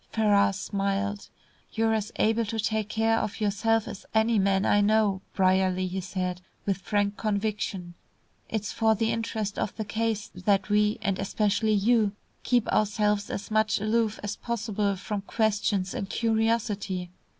Ferrars smiled. "You're as able to take care of yourself as any man I know, Brierly," he said, with frank conviction. "It's for the interest of the case that we and especially you keep ourselves as much aloof as possible from questions and curiosity.